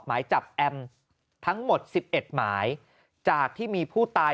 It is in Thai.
หมายจับแอมทั้งหมดสิบเอ็ดหมายจากที่มีผู้ตาย